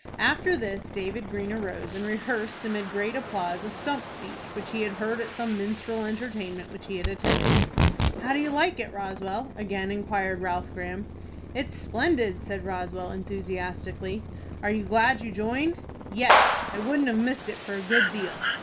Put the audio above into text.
After this, David Green arose, and rehearsed amid great applause a stump speech which he had heard at some minstrel entertainment which he had attended. "How do you like it, Roswell?" again inquired Ralph Graham. "It's splendid," said Roswell, enthusiastically. "Are you glad you joined?" "Yes; I wouldn't have missed it for a good deal."